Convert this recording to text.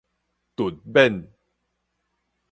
突勉